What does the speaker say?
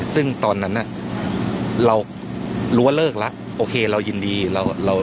ซึ่งตอนนั้นน่ะเรารู้ว่าเลิกล่ะโอเคเรายินดีเราเรา